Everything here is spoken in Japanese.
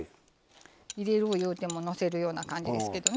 入れるいうてものせるような感じですけどね。